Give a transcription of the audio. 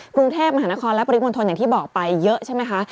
กรุงเทพมหานครและปริมณฑลอย่างที่บอกไปเยอะใช่ไหมคะ